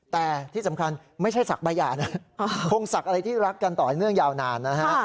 แต่ที่สำคัญไม่ใช่ศักดิ์ใบหย่านะคงศักดิ์อะไรที่รักกันต่อเนื่องยาวนานนะฮะ